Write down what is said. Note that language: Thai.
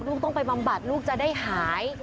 ต้องไปบำบัดลูกจะได้หาย